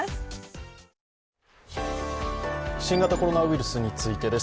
新型コロナウイルスについてです